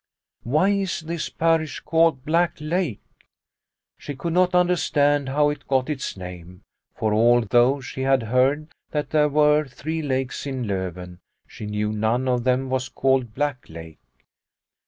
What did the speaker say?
" Why is this parish called Black Lake ?" She could not under stand how it got its name, for, although she had heard that there were three lakes in Loven, she knew none of them was called Black Lake.